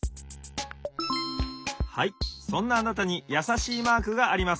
・はいそんなあなたにやさしいマークがあります。